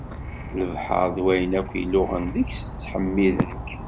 Lebḥer d wayen akk ileɣɣun deg-s, ttḥemmiden-k.